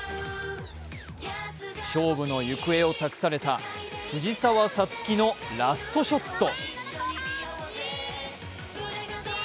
勝負の行方を託された藤澤五月のラストショット。